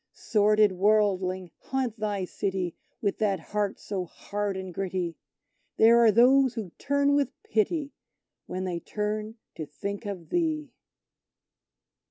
Sordid worldling, haunt thy city with that heart so hard and gritty! There are those who turn with pity when they turn to think of thee!